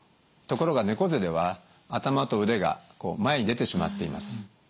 ところが猫背では頭と腕が前に出てしまっています。